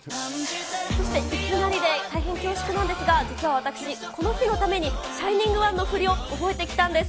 そしていきなりで大変恐縮なんですが、実は私、この日のためにＳｈｉｎｉｎｇＯｎｅのふりを覚えてきたんです。